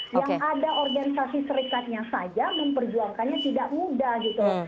yang ada organisasi serikatnya saja memperjuangkannya tidak mudah gitu loh